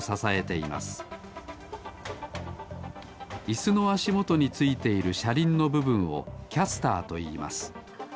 イスのあしもとについているしゃりんのぶぶんをキャスターといいます。